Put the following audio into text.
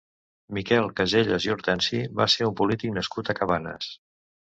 Miquel Casellas i Hortensi va ser un polític nascut a Cabanes.